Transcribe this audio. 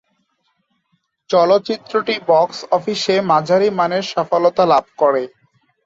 চলচ্চিত্রটি বক্স অফিসে মাঝারিমানের সফলতা লাভ করে।